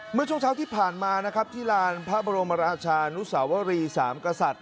เมื่อช่วงเช้าที่ผ่านมานะครับที่ลานพระบรมราชานุสาวรีสามกษัตริย